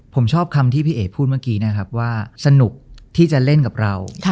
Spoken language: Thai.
ผมชอบคำที่พี่เอ๋พูดเมื่อกี้นะครับว่าสนุกที่จะเล่นกับเรา